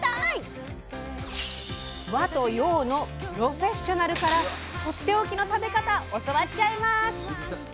和と洋のプロフェッショナルからとっておきの食べ方教わっちゃいます！